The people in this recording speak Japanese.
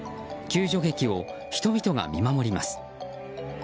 救助劇を人々が見守ります。